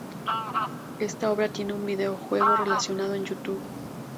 Esta Obra tiene un video juego relacionado en Youtube